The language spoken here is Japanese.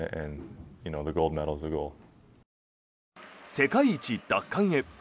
世界一奪還へ。